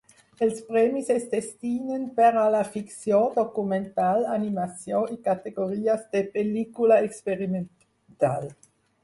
Els premis es destinen per a la ficció, documental, animació i categories de pel·lícula experimental.